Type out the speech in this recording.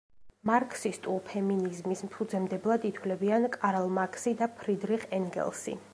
მარქსისტულ ფემინიზმის ფუძემდებლებად ითვლებიან კარლ მარქსი და ფრიდრიხ ენგელსი.